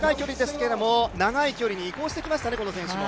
もともと短い距離ですけど長い距離に移行してきましたね。